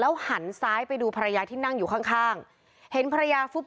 แล้วก็ได้คุยกับนายวิรพันธ์สามีของผู้ตายที่ว่าโดนกระสุนเฉียวริมฝีปากไปนะคะ